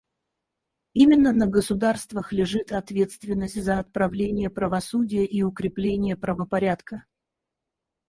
Именно на государствах лежит ответственность за отправление правосудия и укрепление правопорядка.